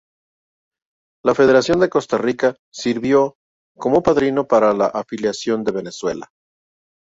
La Federación de Costa Rica sirvió como padrino para la afiliación de Venezuela.